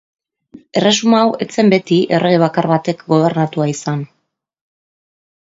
Erresuma hau ez zen beti errege bakar batek gobernatua izan.